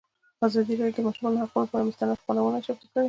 ازادي راډیو د د ماشومانو حقونه پر اړه مستند خپرونه چمتو کړې.